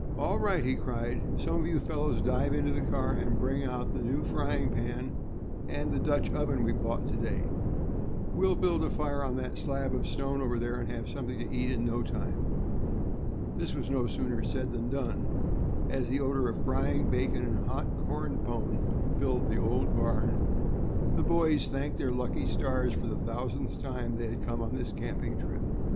"All right," he cried, "some of you fellows dive into the car and bring out the new frying pan and the Dutch oven we bought to day. We'll build a fire on that slab of stone over there, and have something to eat in next to no time." This was no sooner said than done, and as the odor of frying bacon and hot "corn pone" filled the old barn, the boys thanked their lucky stars for the thousandth time that they had come on this camping trip.